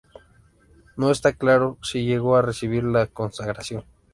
No está claro si llegó a recibir la consagración.